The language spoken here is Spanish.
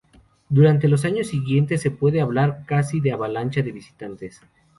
Durante los años siguientes se puede hablar casi de avalancha de visitantes.